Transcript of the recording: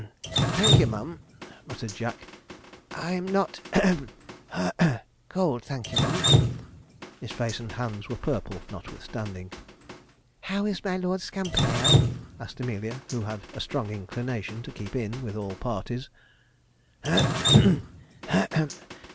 'Hem cough hem thank ye, mum,' muttered Jack. 'I'm not hem cough cold, thank ye, mum.' His face and hands were purple notwithstanding. 'How is my Lord Scamperdale?' asked Amelia, who had a strong inclination to keep in with all parties.